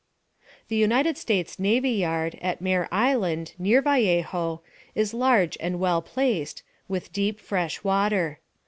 The United States Navy Yard, at Mare Island, near Vallejo, is large and well placed, with deep fresh water.